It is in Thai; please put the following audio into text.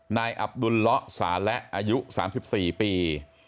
นายอับดุลละสาและอายุ๓๔ปี